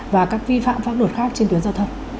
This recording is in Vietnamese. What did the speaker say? và các vi phạm pháp luật khác trên tuyến giao thông